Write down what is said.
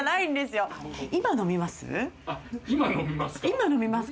今飲みます？